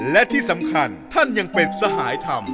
และที่สำคัญท่านยังเป็นสหายธรรม